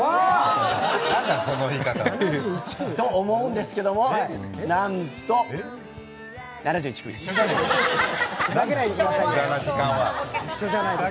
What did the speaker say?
なんだ、その言い方は。と思うんですけどもなんと７１組なんです。